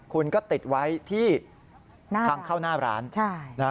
คุณก็ติดไว้ที่ทางเข้าหน้าร้าน